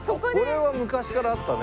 これは昔からあったね。